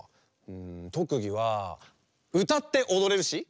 とくぎはうたっておどれるし。